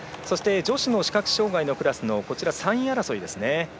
女子の視覚障がいのクラスの３位争いですね。